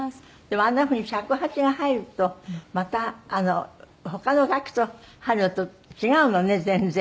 でもあんなふうに尺八が入るとまた他の楽器と入るのと違うのね全然。